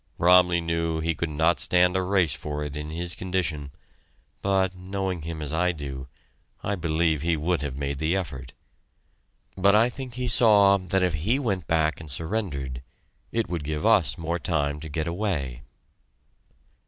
Bromley knew he could not stand a race for it in his condition, but, knowing him as I do, I believe he would have made the effort; but I think he saw that if he went back and surrendered, it would give us more time to get away.